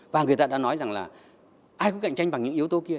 và người ta đã nói rằng là ai cũng cạnh tranh bằng những yếu tố kia